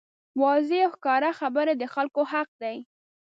واضحې او ښکاره خبرې د خلکو حق دی.